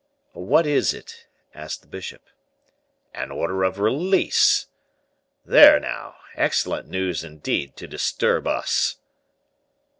"What is it?" asked the bishop. "An order of release! There, now; excellent news indeed to disturb us!"